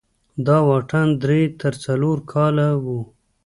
دا واټن درې تر څلور کاله و.